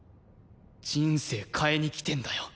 人生変えに来てんだよ。